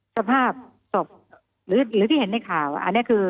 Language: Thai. สภาพศพหรือที่เห็นในข่าวอันนี้คือ